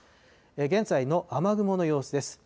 現在の雨雲の様子です。